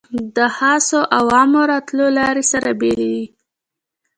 د خاصو او عامو راتلو لارې سره بېلې وې.